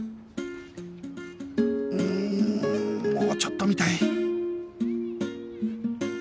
うーんもうちょっと見たい